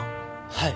はい。